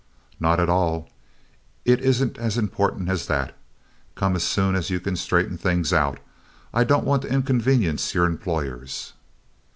"Not at all. It isn't as important as that. Come as soon as you can straighten things out. I don't want to inconvenience your employers."